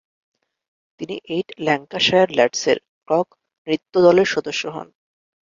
তিনি eight Lancashire ল্যাড্সের clog নৃত্যদলের সদস্য হন।